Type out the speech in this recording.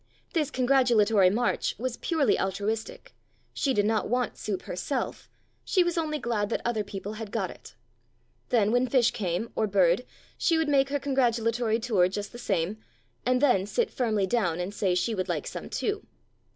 This congratulatory march was purely altruistic : she did not want soup herself; she was only glad that other people had got it. Then when fish came, or 242 "Puss cat" bird, she would make her congratulatory tour just the same, and then sit firmly down and say she would like some too.